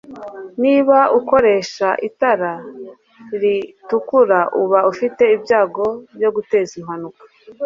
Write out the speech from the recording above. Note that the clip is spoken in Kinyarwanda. Niba ukoresha itara ritukura uba ufite ibyago byo guteza impanuka